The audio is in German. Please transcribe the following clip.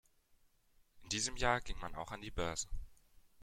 In diesem Jahr ging man auch an die Börse.